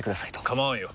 構わんよ。